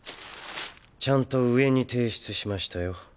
ちゃんと上に提出しましたよ。